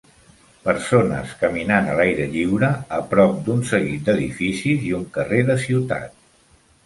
Persones caminant a l'aire lliure a prop d'un seguit d'edificis i un carrer de ciutat.